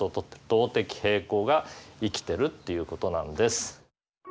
動的平衡が生きてるっていうことなんです。